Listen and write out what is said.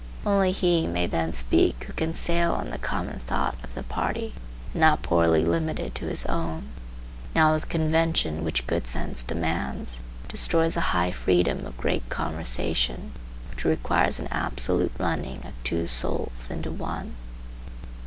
Only he may then speak who can sail on the common thought of the party, and not poorly limited to his own. Now this convention, which good sense demands, destroys the high freedom of great conversation, which requires an absolute running of two souls into one.